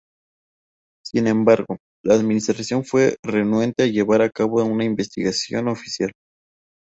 Sin embargo, la Administración fue renuente a llevar a cabo una investigación oficial.